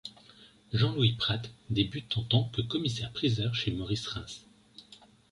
Jean-Louis Prat débute en tant que commissaire-priseur chez Maurice Rheims.